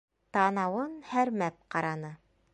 Танауын һәрмәп ҡараны.